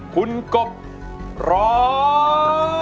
คุณกบร้อง